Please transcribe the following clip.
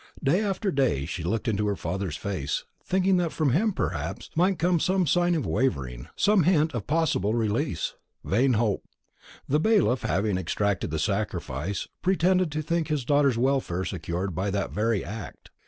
Day after day she looked into her father's face, thinking that from him, perhaps, might come some sign of wavering, some hint of possible release. Vain hope. The bailiff having exacted the sacrifice, pretended to think his daughter's welfare secured by that very act.